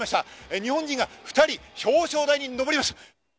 日本人が２人、表彰台に上ります。